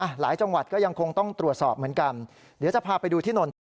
หลายจังหวัดก็ยังคงต้องตรวจสอบเหมือนกันเดี๋ยวจะพาไปดูที่นนท